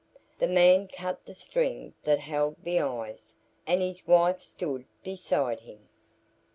The man cut the string that held the eyes, and his wife stood beside him.